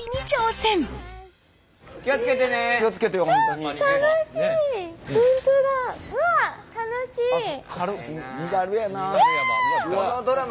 身軽やわ。